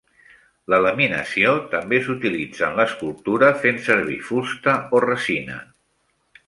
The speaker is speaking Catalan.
La laminació també s'utilitza en l'escultura fent servir fusta o resina.